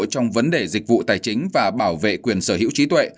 trong vấn đề dịch vụ tài chính và bảo vệ quyền sở hữu trí tuệ